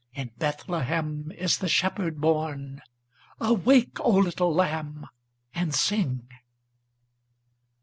In Bethlehem is the Shepherd born. Awake, O little lamb, and sing!"